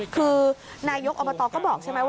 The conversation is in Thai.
คือนายยกอบตรรราชาเทวะก็บอกใช่ไหม